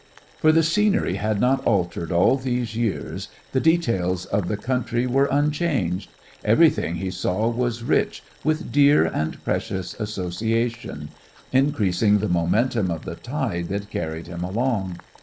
For the scenery had not altered all these years, the details of the country were unchanged, everything he saw was rich with dear and precious association, increasing the momentum of the tide that carried him along.